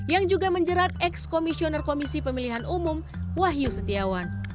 yang juga menjerat ex komisioner komisi pemilihan umum wahyu setiawan